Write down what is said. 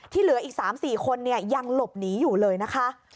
เหลืออีก๓๔คนยังหลบหนีอยู่เลยนะคะ